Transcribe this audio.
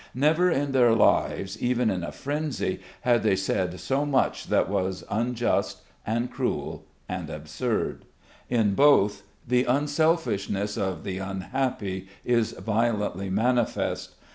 Never in their lives, even in a frenzy, had they said so much that was unjust and cruel and absurd. In both the selfishness of the unhappy is violently manifest.